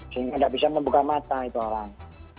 sehingga tidak bisa membuka mata itu orang